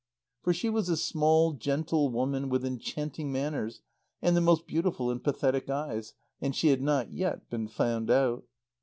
For she was a small, gentle woman with enchanting manners and the most beautiful and pathetic eyes, and she had not yet been found out.